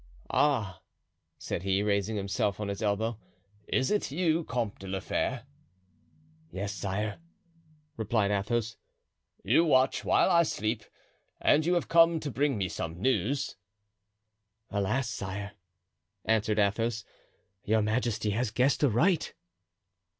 "Ah!" said he, raising himself on his elbow, "is it you, Comte de la Fere?" "Yes, sire," replied Athos. "You watch while I sleep and you have come to bring me some news?" "Alas, sire," answered Athos, "your majesty has guessed aright."